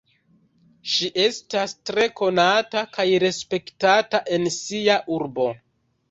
Ŝi estas tre konata kaj respektata en sia urbo.